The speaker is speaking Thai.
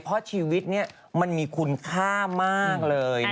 เพราะชีวิตนี้มันมีคุณค่ามากเลย